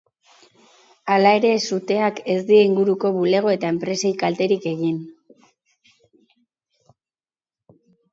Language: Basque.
Hala ere, suteak ez die inguruko bulego eta enpresei kalterik egin.